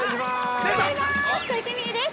◆小池美由です